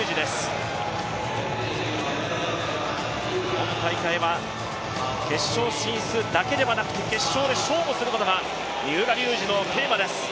今大会は決勝進出だけではなくて決勝で勝負することが三浦龍司のテーマです。